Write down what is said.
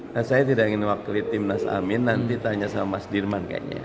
nah saya tidak ingin mewakili timnas amin nanti tanya sama mas dirman kayaknya